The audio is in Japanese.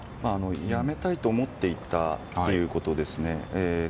やめたいと思っていたということですね。